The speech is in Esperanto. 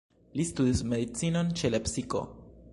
Li studis medicinon ĉe Lepsiko.